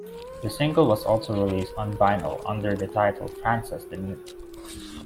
The single was also released on vinyl under the title "Frances the Mute".